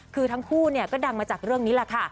คือทั้งคู่ก็ดังมาจากเรื่องนี้แหละค่ะ